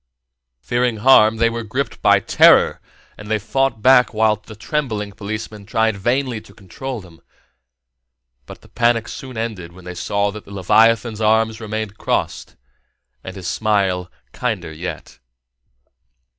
Fearing harm, they were gripped by terror, and they fought back while the trembling policemen tried vainly to control them; but the panic soon ended when they saw that the leviathan's arms remained crossed and his smile kinder yet.